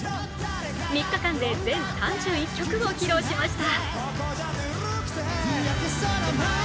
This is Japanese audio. ３日間で全３１曲を披露しました。